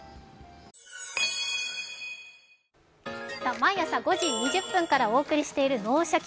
毎朝５時２０分からお送りしている「脳シャキ！